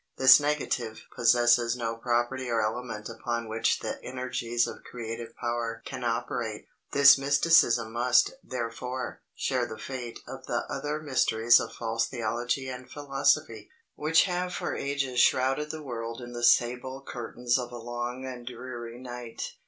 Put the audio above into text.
This negative possesses no property or element upon which the energies of creative power can operate. This mysticism must, therefore, share the fate of the other mysteries of false Theology and philosophy, which have for ages shrouded the world in the sable curtains of a long and dreary night.